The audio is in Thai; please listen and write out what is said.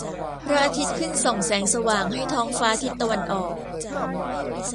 พระอาทิตย์ขึ้นส่องแสงสว่างให้ท้องฟ้าทิศตะวันออก